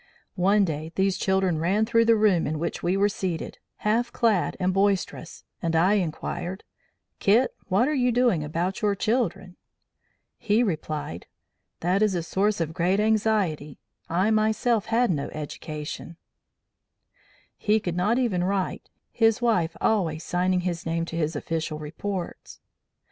One day these children ran through the room in which we were seated, half clad and boisterous, and I inquired, 'Kit, what are you doing about your children?' "He replied: 'That is a source of great anxiety; I myself had no education,' (he could not even write, his wife always signing his name to his official reports).